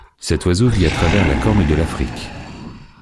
Cet oiseau vit à travers la corne de l'Afrique.